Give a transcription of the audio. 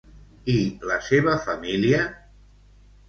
I la seva família?